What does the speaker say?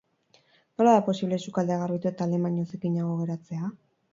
Nola da posible sukaldea garbitu eta lehen baino zikinago geratzea?